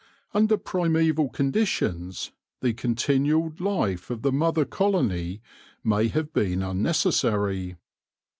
Under primaeval conditions the continued life of the mother colony may have been unnecessary.